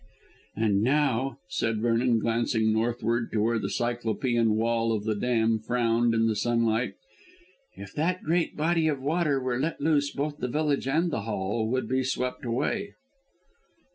"And now," said Vernon glancing northward to where the cyclopean wall of the dam frowned in the sunlight, "if that great body of water were let loose both the village and the Hall would be swept away."